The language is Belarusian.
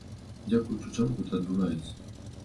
Дзякуючы чаму гэта адбываецца?